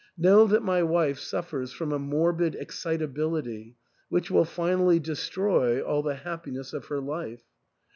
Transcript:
Know that my wife suffers from a morbid excitability, which will finally destroy all the happiness of her life.